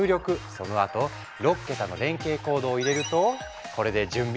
そのあと６桁の連携コードを入れるとこれで準備ＯＫ！